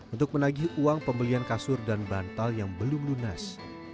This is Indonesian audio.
untuk menagih uang pembelian kasur dan bantal yang belum lunas